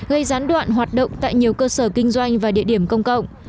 gây gián đoạn hoạt động tại nhiều cơ sở kinh doanh và địa điểm công cộng